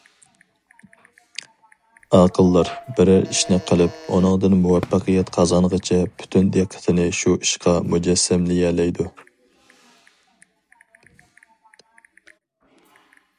ئاقىللار بىرەر ئىشنى قىلىپ ئۇنىڭدىن مۇۋەپپەقىيەت قازانغىچە پۈتۈن دىققىتىنى شۇ ئىشقا مۇجەسسەملىيەلەيدۇ.